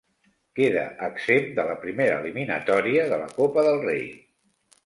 Queda exempt de la primera eliminatòria de la Copa del Rei.